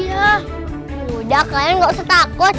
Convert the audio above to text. yaudah kalian gak usah takut